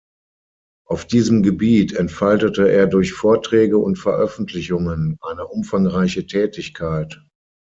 Auf diesem Gebiet entfaltete er durch Vorträge und Veröffentlichungen eine umfangreiche Tätigkeit.